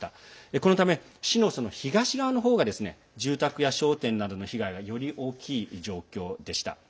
このため、市の東側の方が住宅や商店などの被害がより大きい状況でした。